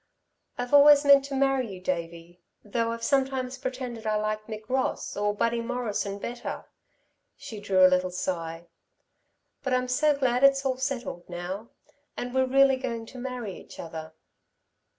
"I've always meant to marry you, Davey, though I've sometimes pretended I liked Mick Ross, or Buddy Morrison better." She drew a little sigh. "But I'm so glad it's all settled, now ... and we're really going to marry each other."